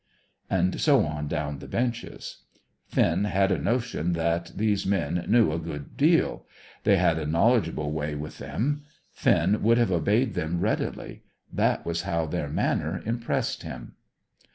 And so on down the benches. Finn had a notion that these men knew a good deal; they had a knowledgeable way with them. Finn would have obeyed them readily. That was how their manner impressed him.